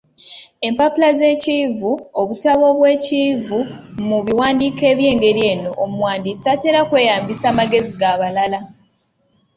Empapula z’ekiyivu, obutabo obw’ekiyivu, mu biwandiiko eby’engeri eno omuwandiisi tatera kweyambisa magezi ga balala.